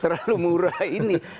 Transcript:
terlalu murah ini